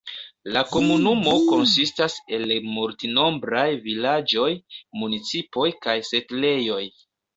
La komunumo konsistas el multnombraj vilaĝoj, municipoj kaj setlejoj.